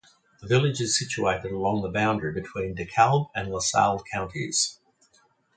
The village is situated along the boundary between DeKalb and LaSalle counties.